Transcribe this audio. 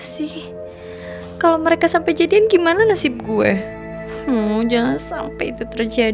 sampai jumpa di video selanjutnya